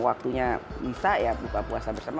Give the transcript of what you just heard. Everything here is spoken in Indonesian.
waktunya bisa ya buka puasa bersama